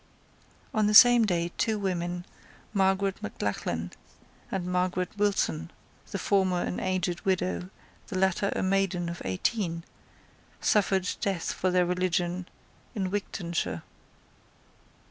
On the same day two women, Margaret Maclachlin and Margaret Wilson, the former an aged widow, the latter a maiden of eighteen, suffered death for their religion in Wigtonshire.